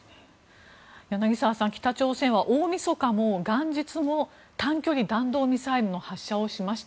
柳澤さん、北朝鮮は大みそかも元日も短距離弾道ミサイルの発射をしました。